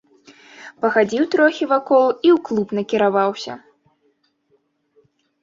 Пахадзіў трохі вакол і ў клуб накіраваўся.